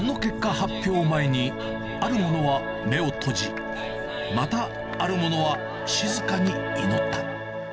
発表前に、ある者は目を閉じ、またある者は静かに祈った。